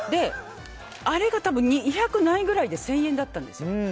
あれが２００ないくらいで１０００円だったんです。